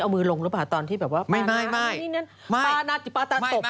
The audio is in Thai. มึงก็จะอยากไปใช่ไหม